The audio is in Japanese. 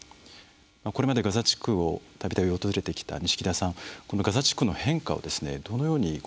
これまでガザ地区をたびたび訪れてきた錦田さんガザ地区の変化をどのようにご覧になってきましたか？